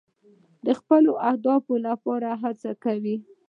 د خپلو اهدافو لپاره هڅې کوئ.